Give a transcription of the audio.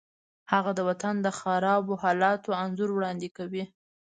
هغه د وطن د خرابو حالاتو انځور وړاندې کوي